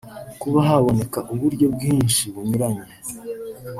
kuba haboneka uburyo bwinshi bunyuranye